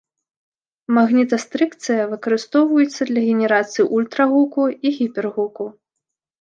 Магнітастрыкцыя выкарыстоўваецца для генерацыі ультрагуку і гіпергуку.